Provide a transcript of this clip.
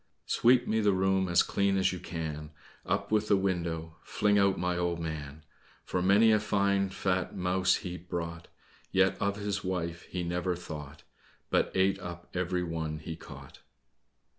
"Sweep me the room as clean as you can, Up with the window, fling out my old man! For many a fine fat mouse he brought, Yet of his wife he never thought, But ate up every one he caught."